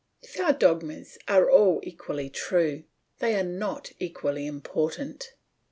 If our dogmas are all equally true, they are not equally important.